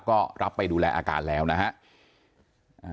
ก็รับไปดูแลอาการแล้วนะฮะ